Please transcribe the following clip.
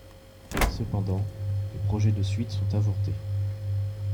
Cependant, les projets de suite sont avortés.